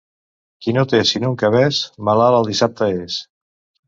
Qui no té sinó un cabeç, malalt el dissabte és.